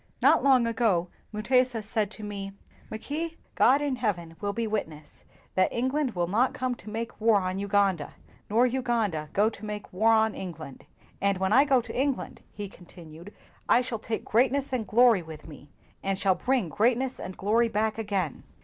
Not long ago Mutesa said to me: 'Mackay, when I become friends with England, God in heaven will be witness that England will not come to make war on Uganda, nor 98 WHITE MEN AND BLACK MEN Uganda go to make war on England ! And when I go to England, ' lie continued, ' I shall take greatness and glory with me, and shall bring greatness and glory back again.